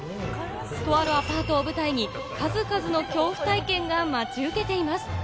とあるアパートを舞台に数々の恐怖体験が待ち受けています。